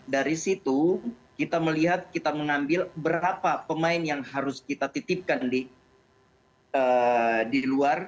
dari situ kita melihat kita mengambil berapa pemain yang harus kita titipkan di luar